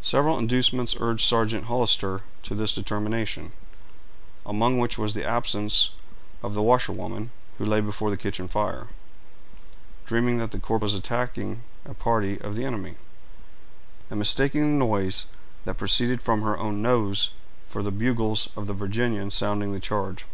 Several inducements urged Sergeant Hollister to this determination, among which was the absence of the washerwoman, who lay before the kitchen fire, dreaming that the corps was attacking a party of the enemy, and mistaking the noise that proceeded from her own nose for the bugles of the Virginians sounding the charge.